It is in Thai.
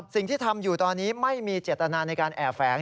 สิ่งที่ทำอยู่ตอนนี้ไม่มีเจตนาในการแอบแฝง